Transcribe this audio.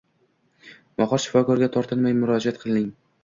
Mohir shifokorga tortinmay murojaat qiling.